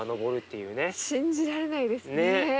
信じられないですね。